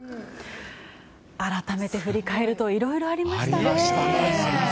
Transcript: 改めて振り返るといろいろありましたね。